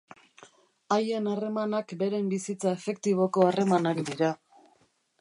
Haien harremanak beren bizitza efektiboko harremanak dira.